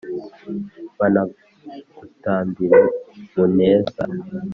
banagutambire mu neza